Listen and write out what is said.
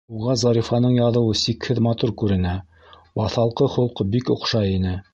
Уға Зарифаның яҙыуы сикһеҙ матур күренә, баҫалҡы холҡо бик оҡшай ине.